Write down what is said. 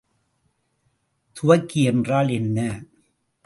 துவக்கி என்றால் என்ன?